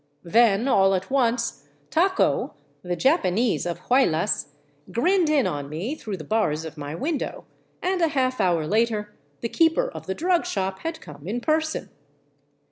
Then all at once " Taco,'' the Japanese of Huaylas, grinned in on me through the bars of my window, and a half hour later the keeper of the drug shop had come in person.